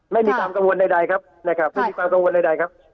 ไม่มีความกังวลใดครับ